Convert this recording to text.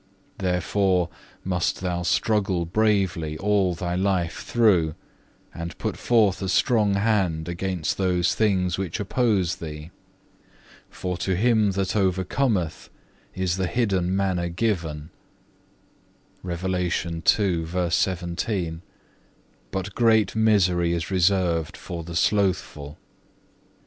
Therefore must thou struggle bravely all thy life through, and put forth a strong hand against those things which oppose thee. For to him that overcometh is the hidden manna given,(1) but great misery is reserved for the slothful.